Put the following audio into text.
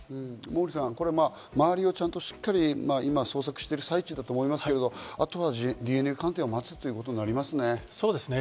モーリーさん、周りをしっかり捜索している最中だと思いますけど、あとはＤＮＡ鑑定を待つということになりますね。